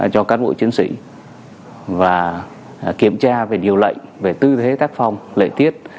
cho các bộ chiến sĩ và kiểm tra về điều lệnh về tư thế tác phong lợi tiết